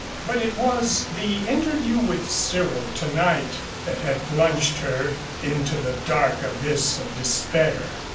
But it was the interview with Cyril tonight that had plunged her into the dark abyss of despair.